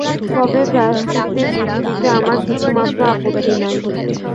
তবে প্রায়শ্চিত্তের বিধি দিতে আমার কিছুমাত্র আপত্তি নাই।